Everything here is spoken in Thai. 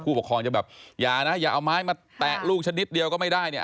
ผู้ปกครองจะแบบอย่านะอย่าเอาไม้มาแตะลูกชนิดเดียวก็ไม่ได้เนี่ย